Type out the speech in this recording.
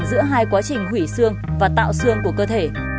giữa hai quá trình hủy xương và tạo xương của cơ thể